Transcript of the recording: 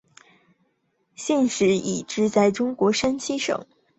现时已知在中国山西省临县高家庄的雒家洼是一个雒姓人的聚居地。